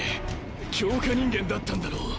強化人間だったんだろう。